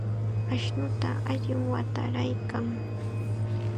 Ashnuta allim watayarqan.